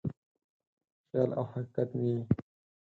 خیال او حقیقت مې یې